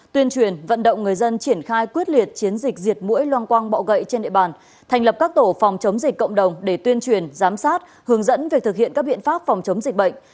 tuyên truyền vận động người dân triển khai quyết liệt chiến dịch diệt mũi loang quang bọ gậy trên địa bàn thành lập các tổ phòng chống dịch cộng đồng để tuyên truyền giám sát hướng dẫn về thực hiện các biện pháp phòng chống dịch bệnh